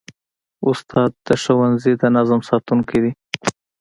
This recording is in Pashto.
استاد د ښوونځي د نظم ساتونکی دی.